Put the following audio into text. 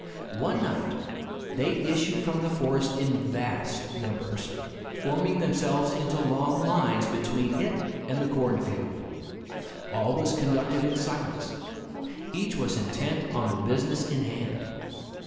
One night, they issued from the forest in vast numbers, forming themselves into long lines between it and the corn field. All was conducted in silence. Each was intent on the business in hand.